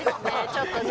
ちょっとね